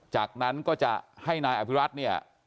จากนั้นก็จะให้นายอภิรัตน์เนี่ย